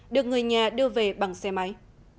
được người nhà đưa về bằng xe máy